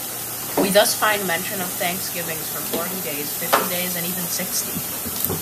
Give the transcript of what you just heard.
We thus find mention of thanksgivings for forty days, fifty days and even sixty.